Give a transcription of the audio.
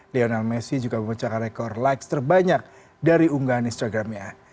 lionel messi juga memecahkan rekor likes terbanyak dari unggahan instagramnya